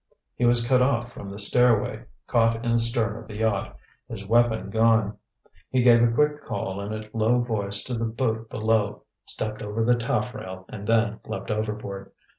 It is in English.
He was cut off from the stairway, caught in the stern of the yacht, his weapon gone. He gave a quick call in a low voice to the boat below, stepped over the taffrail and then leaped overboard.